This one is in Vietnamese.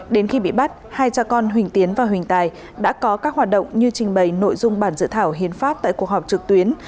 đến khi bị bắt hai cha con huỳnh tiến và huỳnh tài đã có các hoạt động như trình bày nội dung bản dự thảo hiến pháp tại cuộc họp trực tuyến